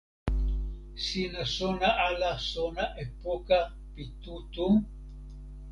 sina sona ala sona e poka pi tu tu?